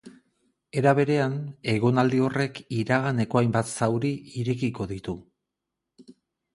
Era berean, egonaldi horrek iraganeko hainbat zauri irekiko ditu.